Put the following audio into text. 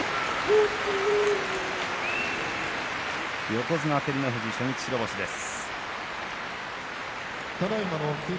横綱照ノ富士、初日白星です。